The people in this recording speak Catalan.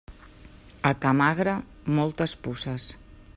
A ca magre, moltes puces.